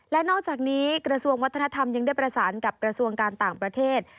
และนอกจากนี้กระทรวงวัฒนธรรมยังได้ประสานกับกระทรวงการต่างประเทศ